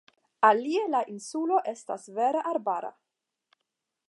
Alie la insulo estas vere arbara.